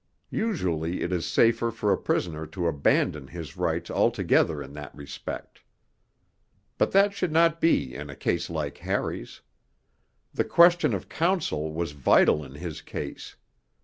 Usually it is safer for a prisoner to abandon his rights altogether in that respect. But that should not be in a case like Harry's. The question of counsel was vital in his case.